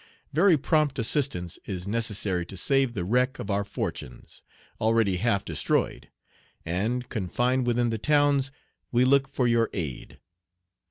Very prompt assistance is necessary to save the wreck of our fortunes, already half destroyed; and, confined within the towns, we look for your aid."